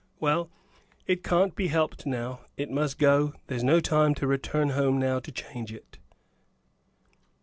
Well, it can't be helped now; it must go; there's no time to return home now to change it."